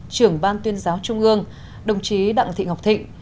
trưởng ban tuyên giáo trung ương đồng chí đặng thị ngọc thịnh